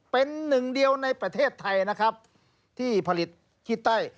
เป็นหนึ่งเดียวในประเทศไทยนะครับที่ผลิตขี้ไต้